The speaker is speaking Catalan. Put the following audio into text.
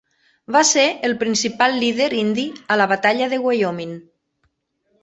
Va ser el principal líder indi a la batalla de Wyoming.